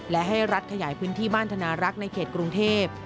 และให้รัฐขยายพื้นที่บ้านธนารักษ์ในเขตกรุงเทพ